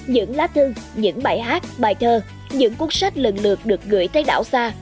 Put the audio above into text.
những lá thư những bài hát bài thơ những cuốn sách lần lượt được gửi tới đảo xa